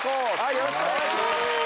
よろしくお願いします。